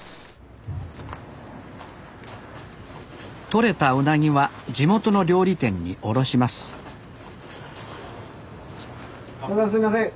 とれたウナギは地元の料理店に卸しますすいません